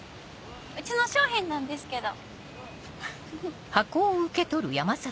うちの商品なんですけど。